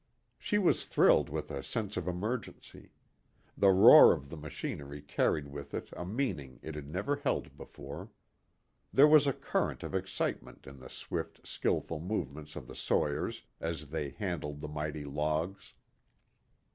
She was thrilled with a sense of emergency. The roar of the machinery carried with it a meaning it had never held before. There was a current of excitement in the swift, skilful movements of the sawyers as they handled the mighty logs.